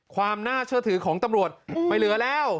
ความน่าเชื่อถือของตำรวจไม่เหลือแล้ว